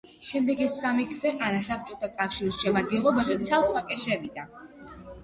შემდეგ ეს სამი ქვეყანა საბჭოთა კავშირის შემადგენლობაში ცალ-ცალკე შევიდა.